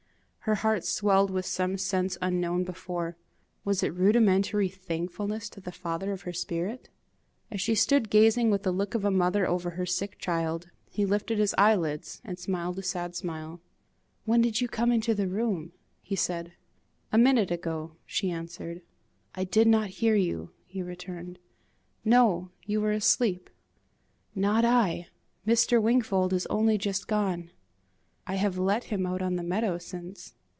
Her heart swelled with some sense unknown before: was it rudimentary thankfulness to the Father of her spirit? As she stood gazing with the look of a mother over her sick child, he lifted his eyelids, and smiled a sad smile. "When did you come into the room?" he said. "A minute ago," she answered. "I did not hear you," he returned. "No, you were asleep." "Not I! Mr. Wingfold is only just gone." "I have let him out on the meadow since."